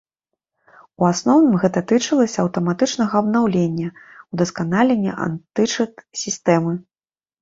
У асноўным гэта тычылася аўтаматычнага абнаўлення, удасканалення антычыт-сістэмы.